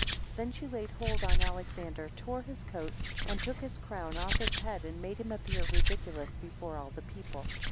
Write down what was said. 5 Then she laid hold on Alexander, tore his coat, and took his crown off his head, and made him appear ridiculous before all the people.